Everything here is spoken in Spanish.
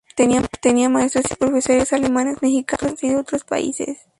Tenía maestros y profesores alemanes, mexicanos, y de otros países.